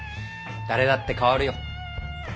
誰だって変わるよ。